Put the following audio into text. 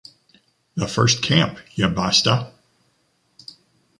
The first camp ""Ya Basta!